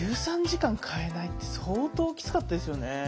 １３時間替えないって相当きつかったですよね。